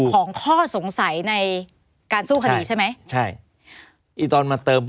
ของข้อสงสัยการสู้คดีใช่ไหม